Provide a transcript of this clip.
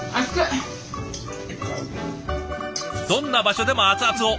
どんな場所でも熱々を。